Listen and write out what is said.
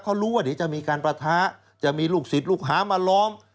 เขารู้ว่าเดี๋ยวจะมีการประทะจะมีลูกศิษย์ลูกหามาล้อม